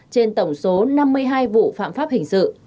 trên tổng số năm mươi hai vụ phạm pháp hình sự